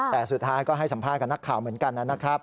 แต่สุดท้ายก็ให้สัมภาษณ์กับนักข่าวเหมือนกันนะครับ